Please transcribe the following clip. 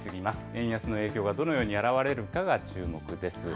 円安の影響がどのように表れるかが注目です。